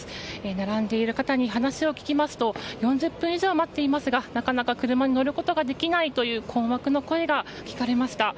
並んでいる方に話を聞きますと４０分以上待っていますがなかなか車に乗ることができないという困惑の声が聞かれました。